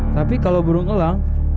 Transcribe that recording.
tapi kalau burung elang